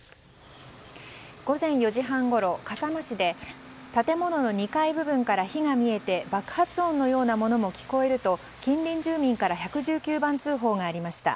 午前４時半ごろ、笠間市で建物の２階部分から火が見えて爆発音のようなものも聞こえると近隣住民から１１９番通報がありました。